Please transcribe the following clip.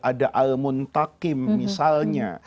ada al muntakim misalnya